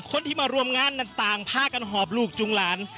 คนที่มาร่วมงานนั้นต่างพากันหอบลูกจุงหลาน